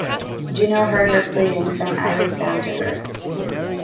Juno heard her plea and sent Iris down to her.